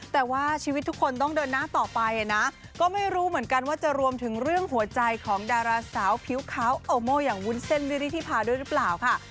แต่ว่าชีวิตทุกคนต้องเดินหน้าต่อไปนะก็ไม่รู้เหมือนกันว่าจะรวมถึงเรื่องหัวใจของดาราสาวผิวขาวโอโม่อย่างวุ้นเส้นวิริธิพาด้วยหรือเปล่าค่ะ